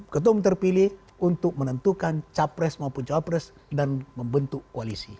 ketum terpilih untuk menentukan capres maupun cawapres dan membentuk koalisi